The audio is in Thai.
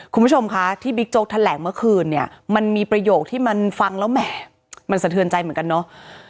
คุณผู้ชมคะที่บิ๊กโจ๊กแถลงเมื่อคืนเนี่ยมันมีประโยคที่มันฟังแล้วแหม่มันสะเทือนใจเหมือนกันเนาะ